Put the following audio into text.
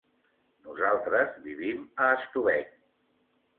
Nosaltres vivim a Estubeny.